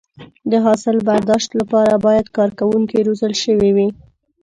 د حاصل برداشت لپاره باید کارکوونکي روزل شوي وي.